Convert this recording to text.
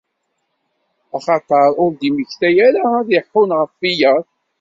Axaṭer ur d-immekta ara ad iḥunn ɣef wiyaḍ.